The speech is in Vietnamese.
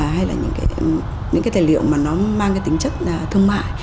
hay là những cái tài liệu mà nó mang cái tính chất thương mại